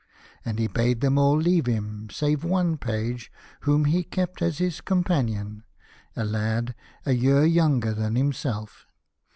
And he bade them all leave him, save one page whom he kept as his companion, a lad a year younger than himself.